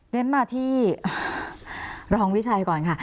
คุณจอมขอบพระคุณครับ